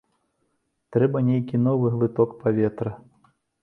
Трэба нейкі новы глыток паветра.